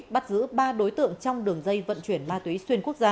bắt giữ ba đối tượng trong đường dây vận chuyển ma túy xuyên quốc gia